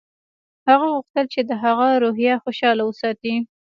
هغه غوښتل چې د هغه روحیه خوشحاله وساتي